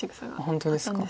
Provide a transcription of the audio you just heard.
本当ですか。